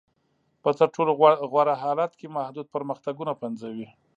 په تر ټولو غوره حالت کې محدود پرمختګونه پنځوي.